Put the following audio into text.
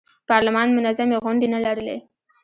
پارلمان منظمې غونډې نه لرلې.